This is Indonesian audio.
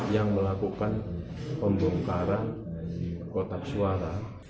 yang melakukan pembongkaran kotak suara